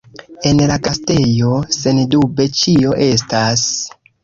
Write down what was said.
En la gastejo, sendube, ĉio estas.